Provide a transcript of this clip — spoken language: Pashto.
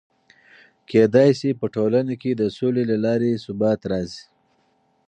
کېدای سي په ټولنه کې د سولې له لارې ثبات راسي.